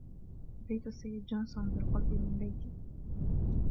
بيت السيد جونسون بالقرب من بيتي.